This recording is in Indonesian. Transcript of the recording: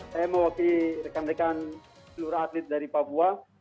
saya mewakili rekan rekan seluruh atlet dari papua